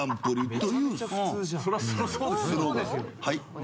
はい？